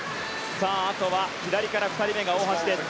あとは左から２人目が大橋です。